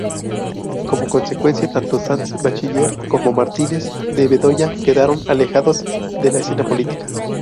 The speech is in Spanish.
Como consecuencia, tanto Sanz-Bachiller como Martínez de Bedoya quedaron alejados de la escena política.